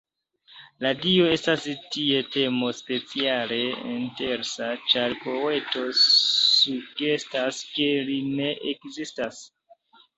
La Dio estas tie temo speciale interesa, ĉar poeto sugestas ke Li ne ekzistas.